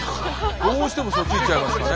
どうしてもそっち行っちゃいますかね。